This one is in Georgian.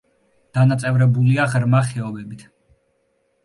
დანაწევრებულია ღრმა ხეობებით.